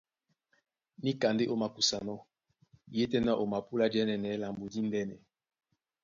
Níka ndé ó makusanɔ́, yétɛ̄ná o mapúlá jɛ́nɛnɛ lambo díndɛ̄nɛ.